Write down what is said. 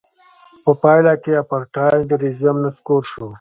په پایله کې اپارټایډ رژیم نسکور شو.